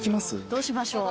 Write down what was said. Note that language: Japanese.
どうしましょう。